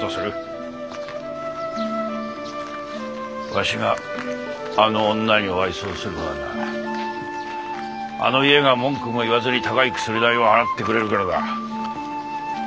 わしがあの女にお愛想をするのはなあの家が文句も言わずに高い薬代を払ってくれるからだ。